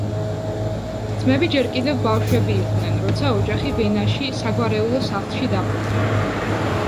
ძმები ჯერ კიდევ ბავშვები იყვნენ, როცა ოჯახი ვენაში, საგვარეულო სახლში დაბრუნდა.